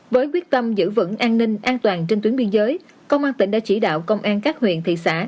với quyết tâm giữ vững an ninh an toàn trên tuyến biên giới công an tỉnh đã chỉ đạo công an các huyện thị xã